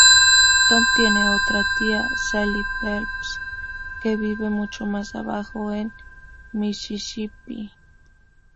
Tom tiene otra tía, Sally Phelps, que vive mucho más abajo en Mississippi.